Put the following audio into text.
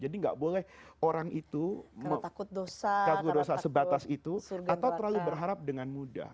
jadi gak boleh orang itu takut dosa sebatas itu atau terlalu berharap dengan mudah